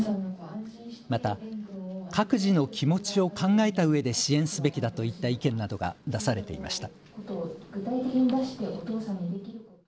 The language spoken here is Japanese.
また各自の気持ちを考えたうえで支援すべきだといった意見などが出されていました。